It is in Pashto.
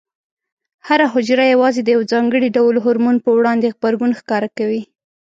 هره حجره یوازې د یو ځانګړي ډول هورمون په وړاندې غبرګون ښکاره کوي.